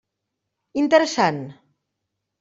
Interessant.